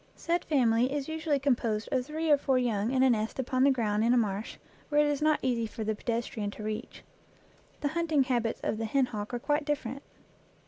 Said family is usually composed of three or four young in a nest upon the ground in a marsh, where it is not easy for the pedestrian to reach. The hunting habits of the hen hawk are quite different.